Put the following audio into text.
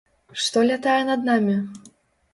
Што лятае над намі?